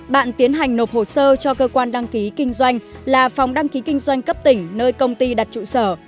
bạn tiến hành nộp hồ sơ cho cơ quan đăng ký kinh doanh là phòng đăng ký kinh doanh cấp tỉnh nơi công ty đặt trụ sở